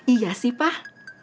iya sih pak